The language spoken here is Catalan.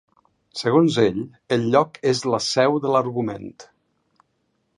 Segons ell el lloc és la seu de l'argument.